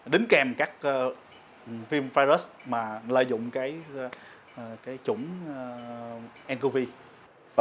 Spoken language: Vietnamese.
đứng kèm các virus mà lợi dụng cái chủng ncov